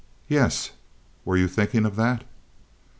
"Yes. Were you thinking of that?"